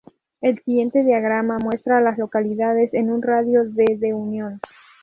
El siguiente diagrama muestra a las localidades en un radio de de Union.